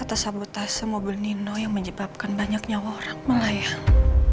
atas sabotase mobil nino yang menyebabkan banyaknya orang melayang